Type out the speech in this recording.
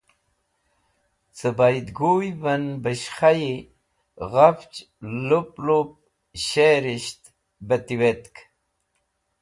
Cẽ bayd guyvẽn beshkhayi ghafch lup lup sherisht bẽ tiwetk